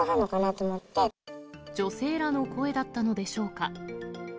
女性らの声だったのでしょうか。